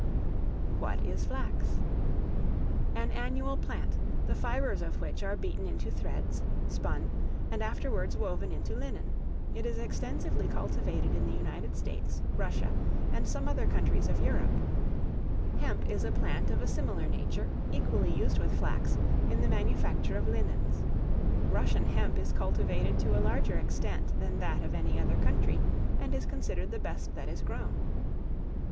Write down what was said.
What is Flax? An annual plant, the fibres of which are beaten into threads, spun, and afterwards woven into linen; it is extensively cultivated in the United States, Russia, and some other countries of Europe. Hemp is a plant of a similar nature, equally used with flax, in the manufacture of linens. Russian hemp is cultivated to a larger extent than that of any other country, and is considered the best that is grown.